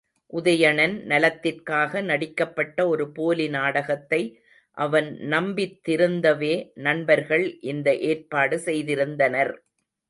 உதயணன் நலத்திற்காக நடிக்கப்பட்ட ஒரு போலி நாடகத்தை அவன் நம்பித் திருந்தவே, நண்பர்கள் இந்த ஏற்பாடு செய்திருந்தனர்.